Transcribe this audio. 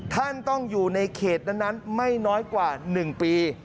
ท่านต้องอยู่ในเขตนั้นไม่น้อยกว่า๑ปี